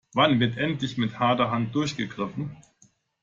Wann wird endlich mit harter Hand durchgegriffen?